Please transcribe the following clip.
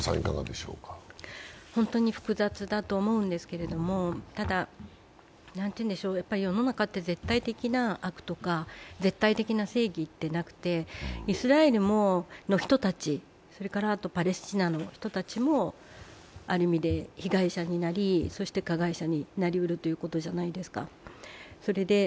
本当に複雑だと思うんですけれども世の中って絶対的な悪とか、絶対的な正義って、なくて、イスラエルの人たちも、パレスチナの人たちもある意味、被害者になりそして加害者になり得るということじゃないですか。